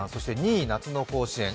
２位夏の甲子園。